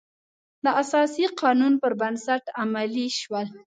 د اساسي قانون پر بنسټ عملي شول.